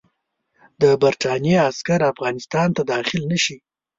د برټانیې عسکر افغانستان ته داخل نه شي.